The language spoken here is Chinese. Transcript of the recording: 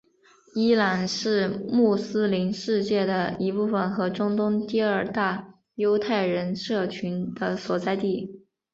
伊朗是穆斯林世界的一部分和中东第二大犹太人社群的所在地。